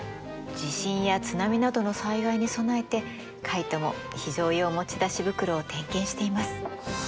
地震や津波などの災害に備えてカイトも非常用持ち出し袋を点検しています。